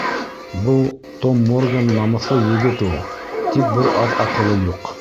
— Был Том Морган намыҫлы егет ул, тик бер ҙә аҡылы юҡ.